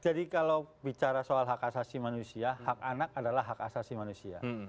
jadi kalau bicara soal hak asasi manusia hak anak adalah hak asasi manusia